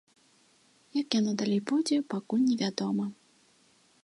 Як яно далей пойдзе, пакуль невядома.